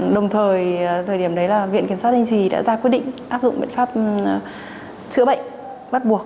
đồng thời thời điểm đấy là viện kiểm soát thanh trì đã ra quyết định áp dụng biện pháp chữa bệnh bắt buộc